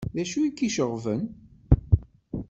D acu ay k-iceɣben?